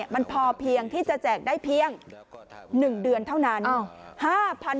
มันพอเพียงที่จะแจกได้เพียง๑เดือนเท่านั้น